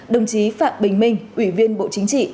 đồng chí phạm bình minh ủy viên bộ chính trị